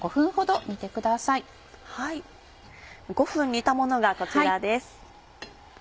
５分煮たものがこちらです。